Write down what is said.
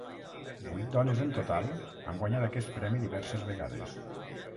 Vuit dones en total han guanyat aquest premi diverses vegades.